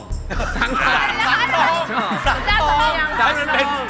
สังทอง